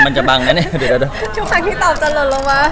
มันจะบังนะเนี่ยเดี๋ยวทุกครั้งที่ตอบจะหล่นลงมา